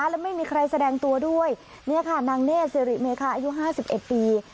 แล้วไม่มีใครแสดงตัวด้วยเนี่ยค่ะนางเน่เซริเมคะอายุห้าสิบเอ็ดปี